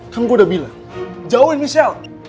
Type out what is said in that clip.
kan gue udah bilang jauhin michelle